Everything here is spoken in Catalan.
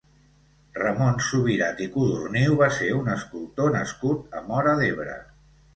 Ramon Subirat i Codorniu va ser un escultor nascut a Móra d'Ebre.